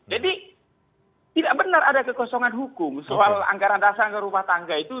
jadi tidak benar ada kekosongan hukum soal anggaran dasar anggaran rumah tangga itu